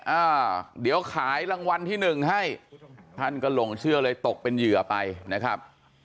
อ่าเดี๋ยวขายรางวัลที่หนึ่งให้ท่านก็หลงเชื่อเลยตกเป็นเหยื่อไปนะครับ